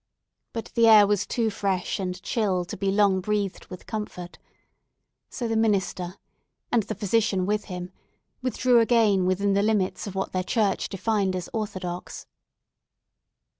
But the air was too fresh and chill to be long breathed with comfort. So the minister, and the physician with him, withdrew again within the limits of what their Church defined as orthodox.